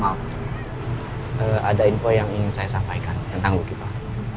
ada info yang ingin saya sampaikan tentang lucky pak